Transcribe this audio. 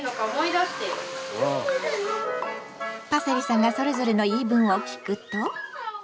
パセリさんがそれぞれの言い分を聞くと。